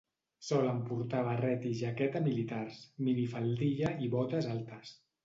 Solen portar barret i jaqueta militars, minifaldilla i botes altes.